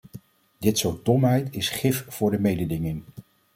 Dit soort domheid is gif voor de mededinging.